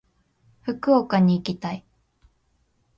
福岡に行きたい。